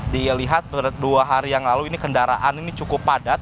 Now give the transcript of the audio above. dilihat dua hari yang lalu ini kendaraan ini cukup padat